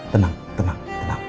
tenang tenang tenang